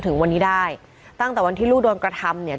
ก็เป็นสถานที่ตั้งมาเพลงกุศลศพให้กับน้องหยอดนะคะ